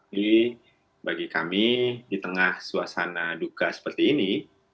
jadi bagi kami di tengah suasana duka seperti ini